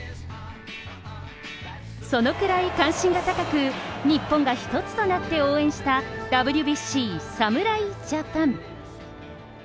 そのくらい関心が高く、日本が一つとなって応援した、ＷＢＣ侍ジャパン。